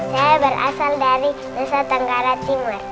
saya berasal dari nusa tenggara timur